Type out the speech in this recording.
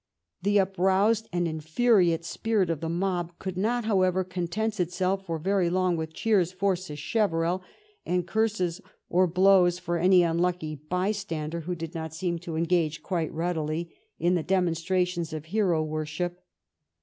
The uproused and infuriate spirit of the mob could not, however, content itself for very long with cheers for Sacheverell and curses or blows for any unlucky by stander who did not seem to engage quite readily in the demon strations of hero worship.